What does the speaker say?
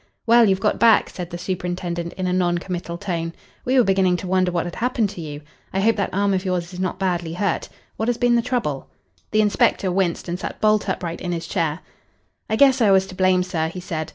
"Well, you've got back," said the superintendent in a non committal tone. "We were beginning to wonder what had happened to you. I hope that arm of yours is not badly hurt. What has been the trouble?" The inspector winced and sat bolt upright in his chair. "I guess I was to blame, sir," he said.